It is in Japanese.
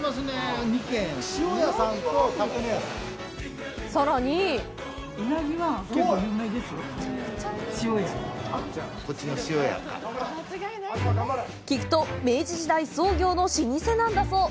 さらに聞くと、明治時代創業の老舗なんだそう。